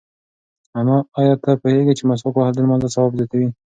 ایا ته پوهېږې چې مسواک وهل د لمانځه ثواب زیاتوي؟